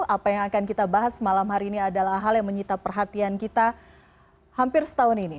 apa yang akan kita bahas malam hari ini adalah hal yang menyita perhatian kita hampir setahun ini